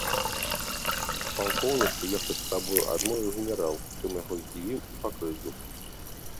А палкоўніку ехаць з сабою адмовіў генерал, чым яго здзівіў і пакрыўдзіў.